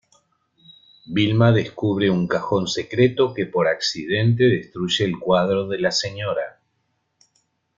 Vilma descubre un cajón secreto que por accidente destruye el cuadro de la Sra.